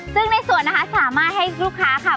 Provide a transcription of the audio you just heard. ซึ่งสวนน่ะสามารถให้ลูกค้า